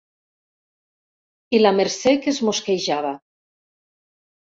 I la Mercè que es mosquejava.